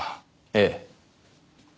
ええ。